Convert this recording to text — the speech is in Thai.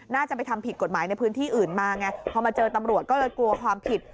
น่าจะไปทำผิดกฎหมายในพื้นที่อื่นมาไงพอมาเจอตำรวจก็เลยกลัวความผิด